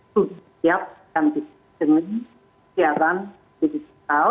sudah siap dan disediakan siaran televisi digital